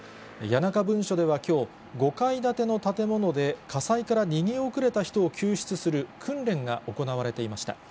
谷中分署ではきょう、５階建ての建物で、火災から逃げ遅れた人を救出する訓練が行われていました。